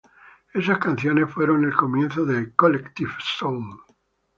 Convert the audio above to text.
Esas canciones fueron el comienzo de Collective Soul.